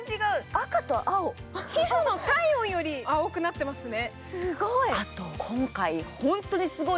赤と青、皮膚の体温より青くなってますね。